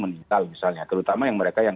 meninggal misalnya terutama yang mereka yang